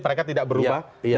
mereka tidak berubah